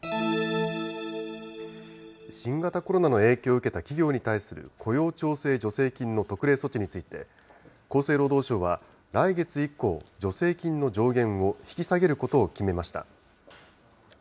新型コロナの影響を受けた企業に対する雇用調整助成金の特例措置について、厚生労働省は来月以降、助成金の上限を引き下げることを決めました。